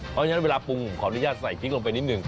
เพราะฉะนั้นเวลาปรุงขออนุญาตใส่พริกลงไปนิดนึง